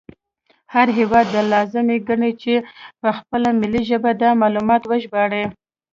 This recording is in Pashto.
هر هیواد دا لازمه ګڼي چې په خپله ملي ژبه دا معلومات وژباړي